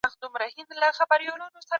وینا کمزورې او بېروحه ښکارېده.